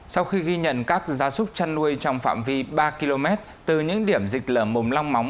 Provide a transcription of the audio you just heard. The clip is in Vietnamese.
sau khi ghi nhận các gia súc chăn nuôi trong phạm vi ba km từ những điểm dịch lở mồm long móng